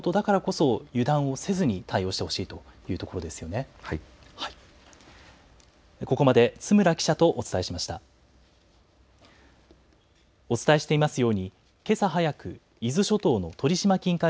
これまでなかったことだからこそ油断せずに対応してほしいというところですね。